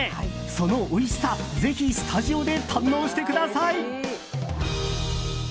そのおいしさ、ぜひスタジオで堪能してください！